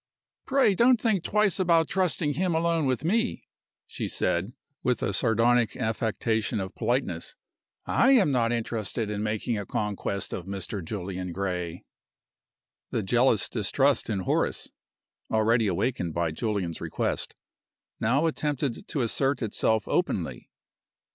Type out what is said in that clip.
"Pray don't think twice about trusting him alone with me," she said, with a sardonic affectation of politeness. "I am not interested in making a conquest of Mr. Julian Gray." The jealous distrust in Horace (already awakened by Julian's request) now attempted to assert itself openly.